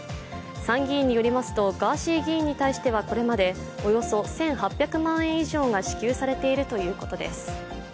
参議院によりますとガーシー議員に対してはこれまでこれまでおよそ１８００万円以上が支給されているということです。